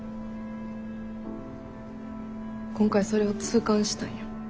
今回それを痛感したんよ。